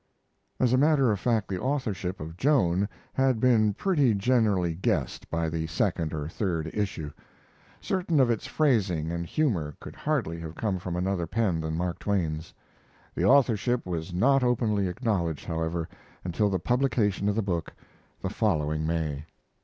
As a matter of fact the authorship of "Joan" had been pretty generally guessed by the second or third issue. Certain of its phrasing and humor could hardly have come from another pen than Mark Twain's. The authorship was not openly acknowledged, however, until the publication of the book, the following May.